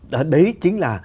đấy chính là